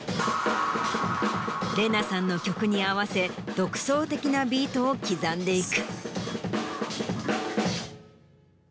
ＲＥＮＡ さんの曲に合わせ独創的なビートを刻んでいく。